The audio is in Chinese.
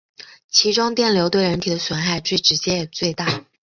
其中电流对人体的损害最直接也最大。